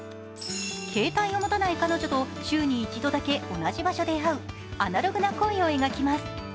携帯を持たない彼女と週に一度だけ同じ場所で会うアナログな恋を描きます。